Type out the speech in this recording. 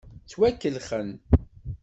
Ttwakellxen.